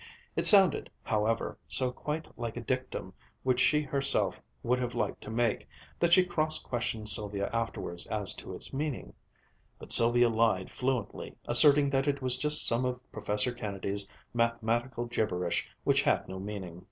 It sounded, however, so quite like a dictum which she herself would have liked to make, that she cross questioned Sylvia afterwards as to its meaning; but Sylvia lied fluently, asserting that it was just some of Professor Kennedy's mathematical gibberish which had no meaning.